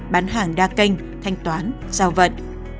bán hàng đa kênh thanh toán giao vận